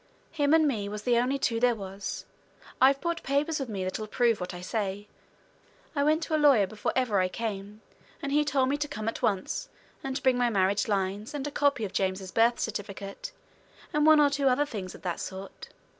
"Him and me was the only two there was. I've brought papers with me that'll prove what I say. I went to a lawyer before ever I came, and he told me to come at once, and to bring my marriage lines, and a copy of James's birth certificate, and one or two other things of that sort.